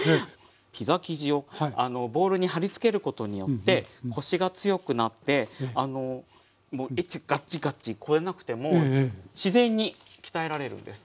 ピザ生地をボウルに貼りつけることによってコシが強くなってガッチガッチこねなくても自然に鍛えられるんです。